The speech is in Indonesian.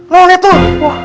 loh lihat tuh